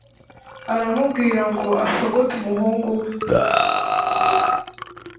aramubwira ngo asogote umuhungu we